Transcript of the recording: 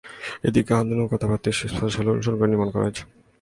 এটা আধুনিকতাবাদী স্থাপত্য শৈলী অনুসরণ করে নির্মাণ করা হয়েছে।